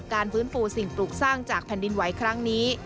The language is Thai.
ฟื้นฟูสิ่งปลูกสร้างจากแผ่นดินไหวครั้งนี้